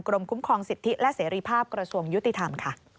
กรมคุ้มครองสิทธิและเสรีภาพกระทรวงยุติธรรมค่ะ